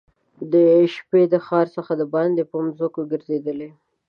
د شپې د ښار څخه دباندي په مځکو کې ګرځېد.